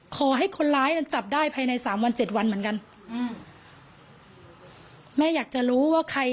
ขอให้คนร้ายนั้นจับได้ภายในสามวันเจ็ดวันเหมือนกันอืมแม่อยากจะรู้ว่าใคร